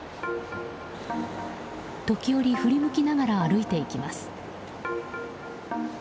時折振り向きながら歩いていきます。